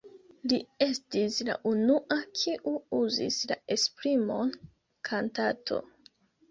Li estis la unua, kiu uzis la esprimon „kantato“.